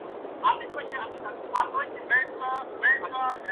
میں نے پہلے کبھی نہیں کیا